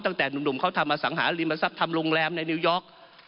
ตั้งแต่หนุ่มเขาทำอสังหาริมทรัพย์ทำโรงแรมในนิวยอร์ก